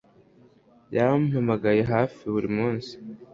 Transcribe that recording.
Yampamagaye hafi buri munsi